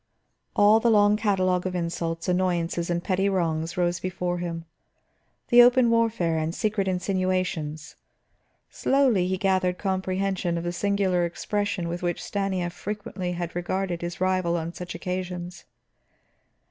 All the long catalogue of insults, annoyances and petty wrongs rose before him, the open warfare and secret insinuations; slowly he gathered comprehension of the singular expression with which Stanief frequently had regarded his rival on such occasions.